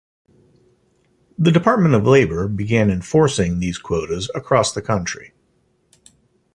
The Department of Labor began enforcing these quotas across the country.